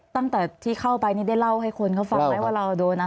ตั้งแต่ที่เข้าไปนี่ได้เล่าให้คนเขาฟังไหมว่าเราโดนอะไร